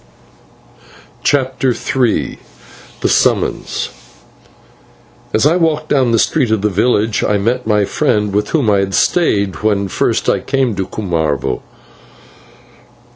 CHAPTER III THE SUMMONS As I walked down the street of the village I met my friend, with whom I had stayed when first I came to Cumarvo.